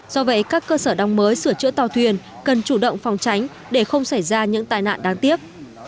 do vậy các cơ sở đóng mới sửa chữa tàu thuyền cần chủ động phòng tránh để không xảy ra những tai nạn đáng tiếc